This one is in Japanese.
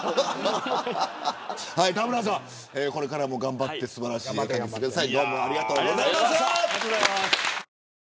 田村さん、これからも頑張って素晴らしい絵を描いてください。